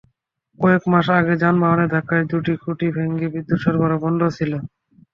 কয়েক মাস আগে যানবাহনের ধাক্কায় দুটি খুঁটি ভেঙে বিদ্যুৎ সরবরাহ বন্ধ ছিল।